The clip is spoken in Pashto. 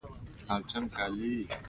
لمر د پیاوړې طبیعت لپاره ګټور دی.